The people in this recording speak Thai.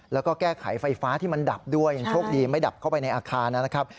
แล้วก็แก้ไขไฟฟ้าที่มันดับด้วยยังโชคดีไม่ดับเข้าไปในอาคารนะครับ